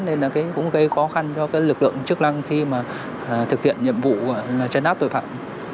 nên là cũng gây khó khăn cho cái lực lượng chức năng khi mà thực hiện nhiệm vụ chấn áp tội phạm